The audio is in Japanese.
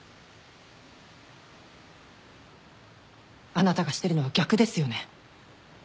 あなたがしてるのは逆ですよね？